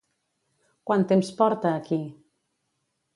Quant temps porta aquí?